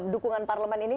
dukungan parlemen ini